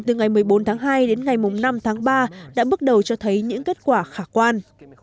từ ngày một mươi bốn tháng hai đến ngày năm tháng ba đã bước đầu cho thấy những kết quả khả quan